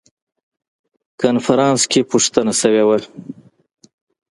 کنفرانس کې پوښتنه شوې وه.